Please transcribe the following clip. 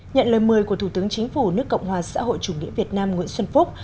nhận lời mời của thủ tướng chính phủ nước cộng hòa xã hội chủ nghĩa việt nam nguyễn xuân phúc